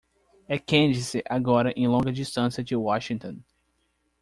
É Candice agora em longa distância de Washington!